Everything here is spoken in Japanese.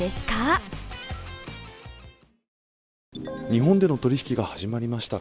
日本での取引が始まりました